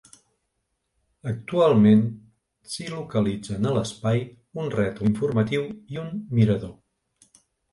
Actualment s'hi localitzen a l'espai un rètol informatiu i un mirador.